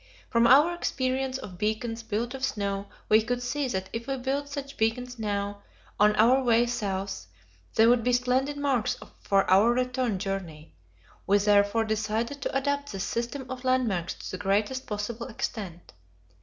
From our experience of beacons built of snow, we could see that if we built such beacons now, on our way south, they would be splendid marks for our return journey; we therefore decided to adopt this system of landmarks to the greatest possible extent.